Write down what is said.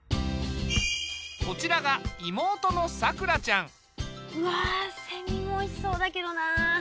こちらが妹のさくらちゃん。わセミもおいしそうだけどな。